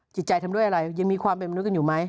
จิตใจทำด้วยอะไรยังมีความเป็นมนุษย์อยู่ไหม